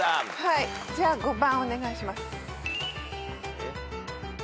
じゃあ５番お願いします。